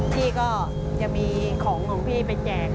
พี่ก็จะมีของของพี่ไปแจก